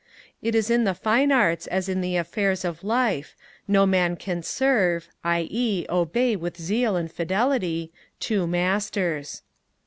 It is in the fine arts as in the affairs of life, no man can serve (i.e. obey with zeal and fidelity) two Masters.